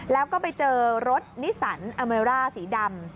แล้วก็ไปเจอรถนิสันอเมร่าสีดำ